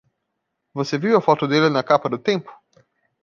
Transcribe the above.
Você viu a foto dele na capa do Tempo?